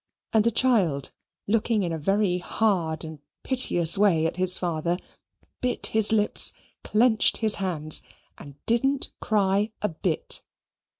And the child, looking in a very hard and piteous way at his father, bit his lips, clenched his hands, and didn't cry a bit.